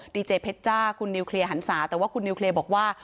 ดีเจเพชรจ้าคุณนิวเคลียร์หันศาแต่ว่าคุณนิวเคลียร์บอกว่า